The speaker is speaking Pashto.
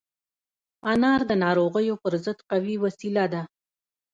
انار د ناروغیو پر ضد قوي وسيله ده.